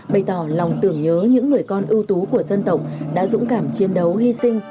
bày tỏ lòng tưởng nhớ những người con ưu tú của dân tộc đã dũng cảm chiến đấu hy sinh